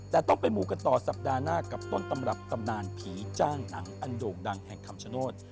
แต่ต้องไปหมู่กันต่อสัปดาห์หน้ากับต้นตำรับตำนานผีจ้างหนังอันโด่งดังแห่งคำชโนธ